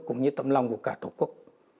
cũng như tâm lòng của cả thổ quốc